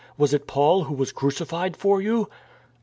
Was it Paul who was crucified for you?